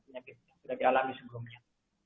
penyakit yang sudah dialami sebelumnya